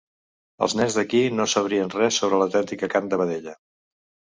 Els nens d'aquí no sabrien res sobre l'autèntica carn de vedella.